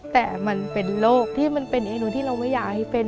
แต่มันเป็นโรคที่มันเป็นเอนูที่เราไม่อยากให้เป็น